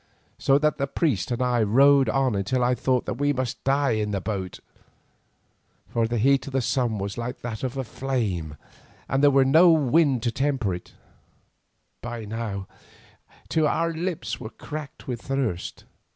So the priest and I rowed on till I thought that we must die in the boat, for the heat of the sun was like that of a flame and there came no wind to temper it; by now, too, our lips were cracked with thirst.